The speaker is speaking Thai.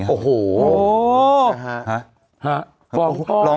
โอ้โห